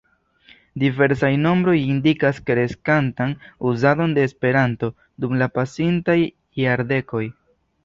Diversaj nombroj indikas kreskantan uzadon de Esperanto dum la pasintaj jardekoj.